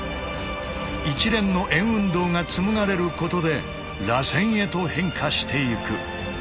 一連の円運動が紡がれることで螺旋へと変化していく。